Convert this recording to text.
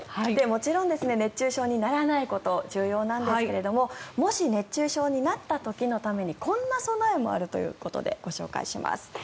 もちろん熱中症にならないことも重要なんですがもし熱中症になった時のためにこんな備えもあるということでご紹介します。